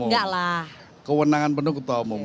karena itu kewenangan penuh ketua umum